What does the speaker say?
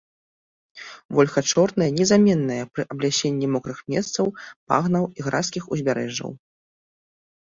Вольха чорная незаменная пры аблясенні мокрых месцаў, багнаў і гразкіх узбярэжжаў.